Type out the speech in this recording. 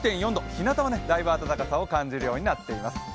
ひなたはだいぶ暖かさを感じるようになっています。